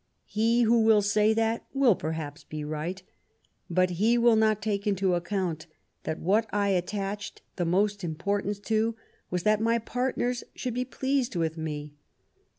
He who will say that will perhaps be right ; but he will not take into account that what I attached the most importance to was that my partners should be pleased with me.